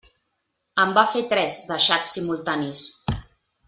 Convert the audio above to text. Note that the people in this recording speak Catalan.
En va fer tres, de xats simultanis!